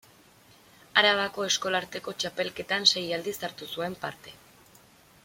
Arabako Eskolarteko Txapelketan sei aldiz hartu zuen parte.